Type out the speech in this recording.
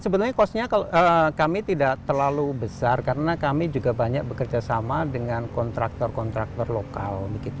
sebenarnya costnya kami tidak terlalu besar karena kami juga banyak bekerja sama dengan kontraktor kontraktor lokal